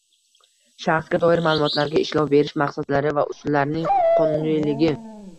shaxsga doir ma’lumotlarga ishlov berish maqsadlari va usullarining qonuniyligi;